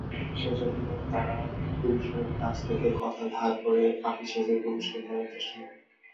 সেইজন্যে তারা পুরুষের কাছে থেকেই কথা ধার করে ফাঁকি সেজে পুরুষকে ভোলাবার চেষ্টা করে।